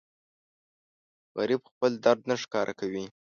غریب خپل درد نه ښکاره کوي